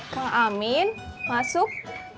pak amin masuk